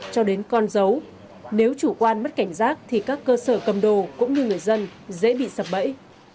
cho đến con dấu nếu chủ quan mất cảnh giác thì các cơ sở cầm đồ cũng như người dân dễ bị sập bẫy